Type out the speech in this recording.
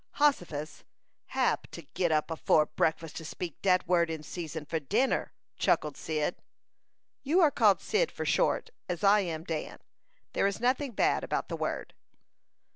"Hossifus! Hab to git up afore breakfast to speak dat word in season for dinner," chuckled Cyd. "You are called Cyd for short, as I am Dan. There is nothing bad about the word."